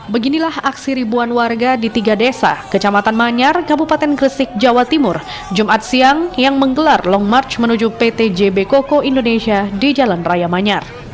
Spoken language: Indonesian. beginilah aksi ribuan warga di tiga desa kecamatan manyar kabupaten gresik jawa timur jumat siang yang menggelar long march menuju pt jb koko indonesia di jalan raya manyar